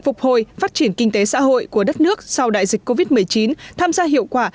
phục hồi phát triển kinh tế xã hội của đất nước sau đại dịch covid một mươi chín tham gia hiệu quả